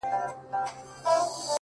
• سر پر سر به ښې مزې واخلو له ژونده ,